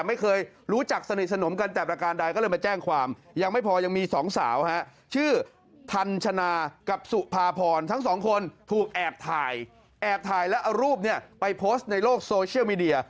แอบถ่ายและเอารูปเนี่ยไปโพสต์ในโลกโซเชียลมีเดีย